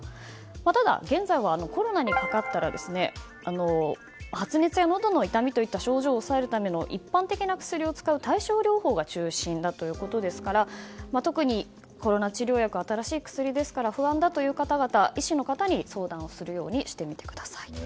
ただ、現在はコロナにかかったら発熱やのどの痛みといった症状を抑えるための一般的な薬を使う対症療法が中心だということですから特にコロナ治療薬は新しい薬ですから不安だという方々は医師の方に相談するようにしてみてください。